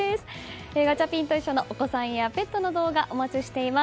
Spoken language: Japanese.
ガチャピンといっしょ！のお子さんとペットの動画お待ちしております。